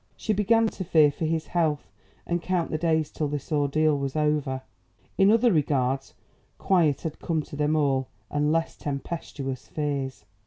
She began to fear for his health and count the days till this ordeal was over. In other regards, quiet had come to them all and less tempestuous fears.